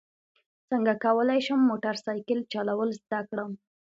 څنګه کولی شم موټر سایکل چلول زده کړم